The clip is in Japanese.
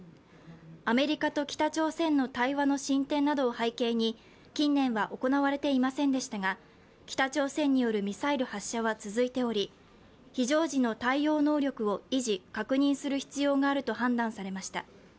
アメリカと北朝鮮の対話の進展などを背景に近年は行われていませんでしたが北朝鮮によるミサイル発射は続いており、非常時の対応能力を維持、確認する必要があると判断されました。